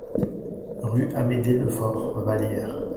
Rue Amédée Lefaure, Vallière